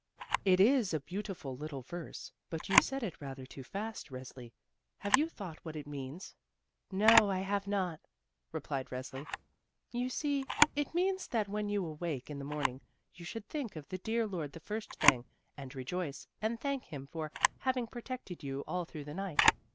"It is a beautiful little verse, but you said it rather too fast, Resli; have you thought what it means?" "No, I have not," replied Resli. "You see, it means that when you awake in the morning you should think of the dear Lord the first thing, and rejoice, and thank Him for having protected you all through the night.